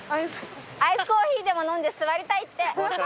アイスコーヒーでも飲んで座りたいって。